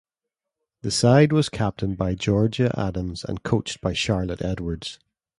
The side was captained by Georgia Adams and coached by Charlotte Edwards.